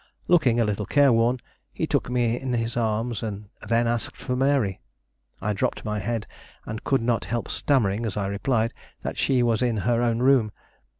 Looking a little care worn, he took me in his arms and then asked for Mary. I dropped my head, and could not help stammering as I replied that she was in her own room.